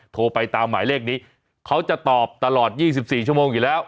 โทรไปตามหมายเลขนี้เขาจะตอบตลอด๒๔ชั่วโมงอยู่แล้ว